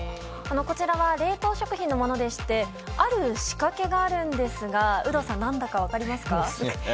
こちらは冷凍食品のものでしてある仕掛けがあるんですが有働さん、何だか分かりますか。